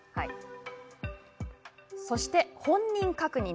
そして、本人確認。